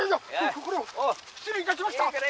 これは失礼いたしました」。